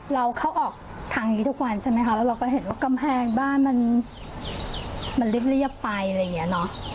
เราเข้าออกทางนี้ทุกวันใช่ไหมคะแล้วเราก็เห็นว่ากำแพงบ้านมันเรียบไปอะไรอย่างนี้เนอะ